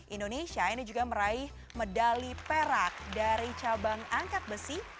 indonesia ini juga meraih medali perak dari cabang angkat besi